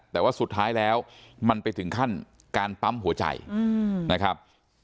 แต่ว่าสุดท้ายแล้วมันไปถึงขั้นการปั๊มหัวใจนะครับ